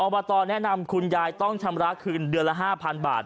บตแนะนำคุณยายต้องชำระคืนเดือนละ๕๐๐๐บาท